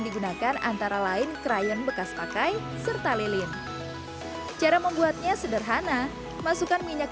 digunakan antara lain krayon bekas pakai serta lilin cara membuatnya sederhana masukkan minyak